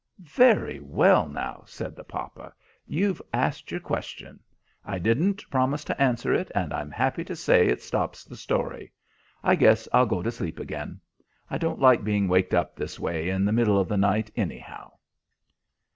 "Very well, now," said the papa. "You've asked your question. I didn't promise to answer it, and I'm happy to say it stops the story. I'll guess I'll go to sleep again. I don't like being waked up this way in the middle of the night, anyhow."